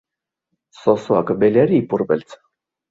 Zozoak beleari ipurbeltz